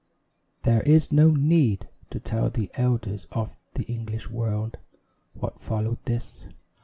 There is no need To tell the elders of the English world What followed this.